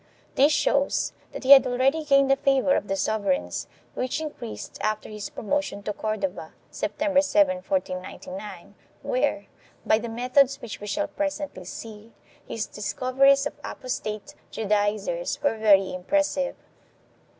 1 This shows that he had already gained the favor of the sovereigns, which increased after his promotion to Cordova, September 7, 1499, where, by the methods which we shall presently see, his discoveries of apostate Judaizers were very impressive.